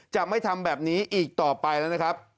จะไม่ทำแบบนี้อีกต่อไปแล้วนะครับ